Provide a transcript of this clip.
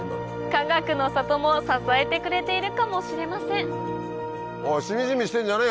かがくの里も支えてくれているかもしれませんおい！